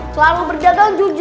selalu berdagang jujur